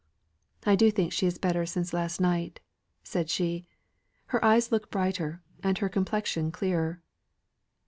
"I do think she is better since last night," said she. "Her eyes look brighter, and her complexion clearer."